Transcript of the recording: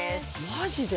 マジで？